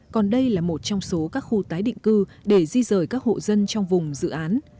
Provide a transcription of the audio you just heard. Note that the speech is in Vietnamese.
còn đây là một trong số các khu tái định cư để di rời các hộ dân trong vùng dự án